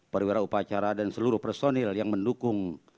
perwira upacara dan seluruh personil yang mendukung